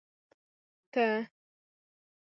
ته